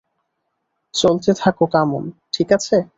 চলতে থাকো come on - ঠিক আছে?